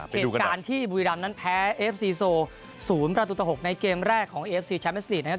เหตุการณ์ที่บุรีรำนั้นแพ้เอฟซีโซ๐ประตูต่อ๖ในเกมแรกของเอฟซีแชมเมสติกนะครับ